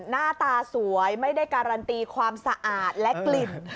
หน้าตาสวยไม่ได้การันตีความสะอาดและกลิ่น